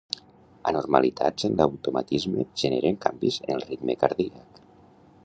Anormalitats en l'automatisme generen canvis en el ritme cardíac.